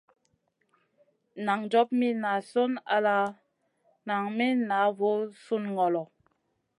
Nan job mi nazion al nan mi na voo sùn ŋolo.